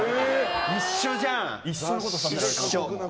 一緒じゃん！